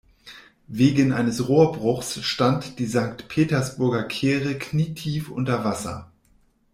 Wegen eines Rohrbruchs stand die Sankt-Petersburger Kehre knietief unter Wasser.